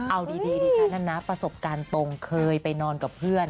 เอาดีดิฉันน่ะนะประสบการณ์ตรงเคยไปนอนกับเพื่อน